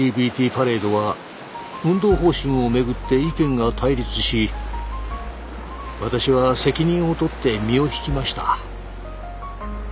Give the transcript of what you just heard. パレードは運動方針をめぐって意見が対立し私は責任を取って身を引きました。